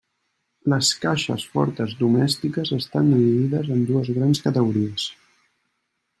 Les caixes fortes domèstiques estan dividides en dues grans categories: